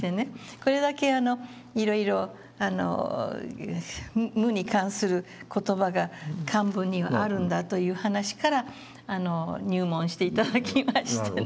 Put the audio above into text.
これだけいろいろ「無」に関する言葉が漢文にはあるんだという話から入門して頂きましてね。